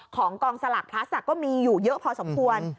กองสลากพลัสก็มีอยู่เยอะพอสมควร